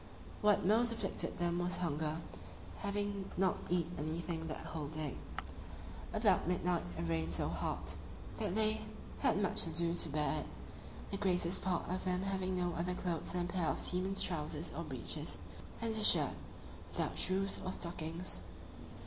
What most afflicted them was hunger, having not eat anything that whole day. About midnight it rained so hard, that they had much ado to bear it, the greatest part of them having no other clothes than a pair of seaman's trousers or breeches, and a shirt, without shoes or stockings.